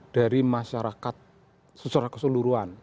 dari masyarakat secara keseluruhan